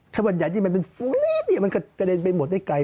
ไข้วัดใหญ่ที่มันเป็นฝูงนี้มันกระเด็นไปหมดได้ไกล